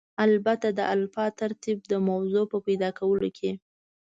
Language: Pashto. البته د الفبا ترتیب د موضوع په پیدا کولو کې.